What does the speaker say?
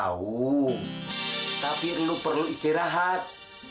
aguhh tapi lo perlu istirahat